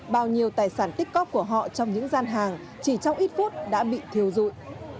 bao nhiêu tài sản tích cóp của họ trong những gian hàng chỉ trong ít phút đã bị thiêu dụi